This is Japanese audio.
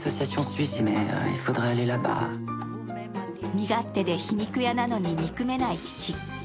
身勝手で皮肉屋なのに憎めない父。